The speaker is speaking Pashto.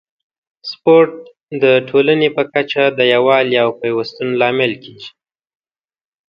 سپورت د ټولنې په کچه د یووالي او پیوستون لامل کیږي.